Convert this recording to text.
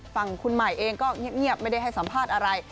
ฝั่งคุณใหม่เองก็เงียบไม่ได้ให้สัมภาษณ์อะไร